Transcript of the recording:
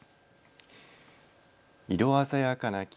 色鮮やかな菊